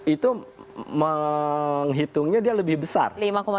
itu menghitungnya dia lebih besar